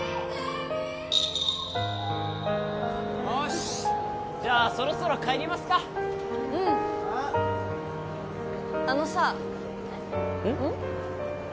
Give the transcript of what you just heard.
玖よしっじゃあそろそろ帰りますかあのさうん？